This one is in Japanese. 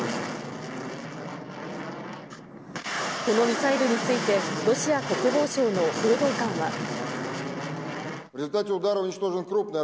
このミサイルについて、ロシア国防省の報道官は。